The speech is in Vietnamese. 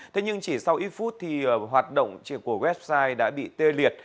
thế nhưng chỉ sau ít phút thì hoạt động của website đã bị tê liệt